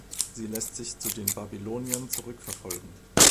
Sie lässt sich zu den Babyloniern zurückverfolgen.